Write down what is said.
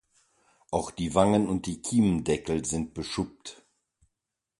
Auch die Wangen und die Kiemendeckel sind beschuppt.